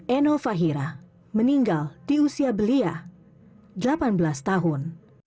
eno fahira meninggal di usia belia delapan belas tahun